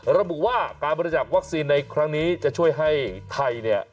ระบุว่าการบริจักษ์วัคซีนในครั้งนี้จะช่วยให้ไทยเนี่ย